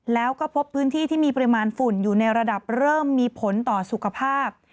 แล้วก็พบพื้นที่ที่มีปริมาณฝุ่นอยู่ในระดับเริ่มมีผลต่อสุขภาพ